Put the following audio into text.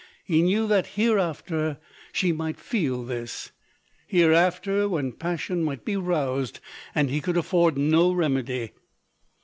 He knew that hereafter she might feel this — hereafter, when passion might be roused, and he could afford no remedy.